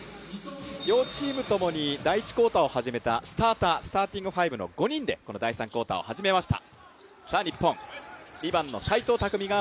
両チームともに第１クオーターを始めたスターター、スターティング５の５人でこの第３クオーターを始めました。